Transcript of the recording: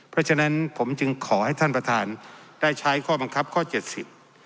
เพราะฉะนั้นผมจึงขอให้ท่านประธานได้ใช้ข้อบังคับข้อเจ็ดสิบ